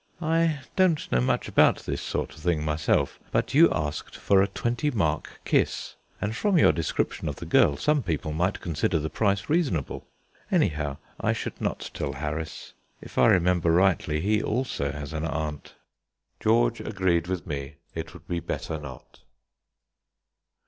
I don't know much about this sort of thing myself; but you asked for a twenty mark kiss, and from your description of the girl some people might consider the price reasonable. Anyhow, I should not tell Harris. If I remember rightly, he also has an aunt." George agreed with me it would be better not.